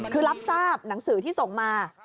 คือรับทราบหนังสือที่ส่งมา